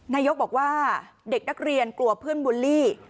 นายกบอกว่าเด็กนักเรียนกลัวเพื่อนบุลลี่